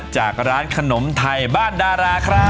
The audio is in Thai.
จากร้านขนมไทยบ้านดาราครับ